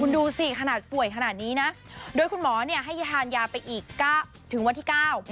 ดูสิขนาดป่วยขนาดนี้นะโดยคุณหมอเนี่ยให้ทานยาไปอีกถึงวันที่เก้า